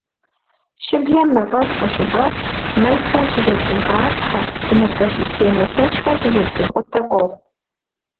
Щыблэм мафӏэс къыщигъэхъу, мэзхэр щызэтригъасхьэ, энергосистемэ лъэщхэр щызэтрикъутэ къохъу.